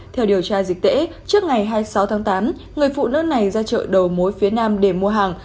theo điều tra dịch tễ trước ngày hai mươi sáu tháng tám người phụ nữ này ra chợ đầu mối phía nam để mua hàng